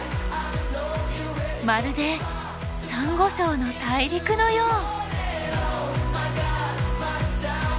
まるでサンゴ礁の大陸のよう！